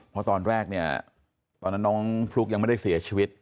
เพราะตอนแรกเนี่ยตอนนั้นน้องฟลุ๊กยังไม่ได้เสียชีวิต